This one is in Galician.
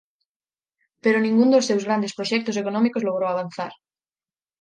Pero ningún dos seus grandes proxectos económicos logrou avanzar: